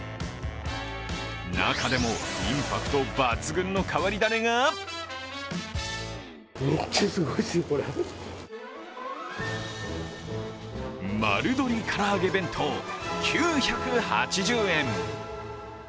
中でもインパクト抜群の変わり種が丸鶏唐揚げ弁当、９８０円。